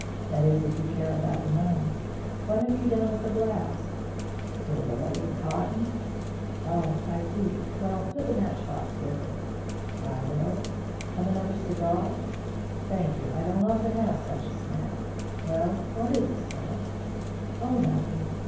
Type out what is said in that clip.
That is, if you care about the money. What have you done with the blouse?" "Put it away in cotton." "Oh, I see. Well, put the match box with it." "I will." "Have another cigar?" "Thank you. I don't often have such a snap. Well, what is it, sir?" "Oh, nothing."